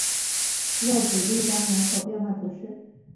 勒普利冈人口变化图示